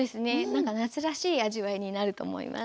何か夏らしい味わいになると思います。